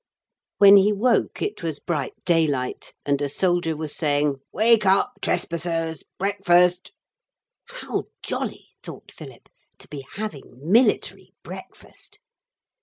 When he woke it was bright daylight, and a soldier was saying, 'Wake up, Trespassers. Breakfast ' 'How jolly,' thought Philip, 'to be having military breakfast.'